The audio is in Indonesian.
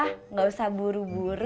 terima kasih belaers